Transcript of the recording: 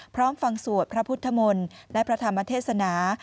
พร้อมฟังสวดพระพุทธมนตร์และพระธรรมเทศนา